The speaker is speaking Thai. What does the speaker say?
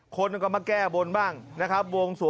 คนก็มาแก้บ้วนบ้างบวงส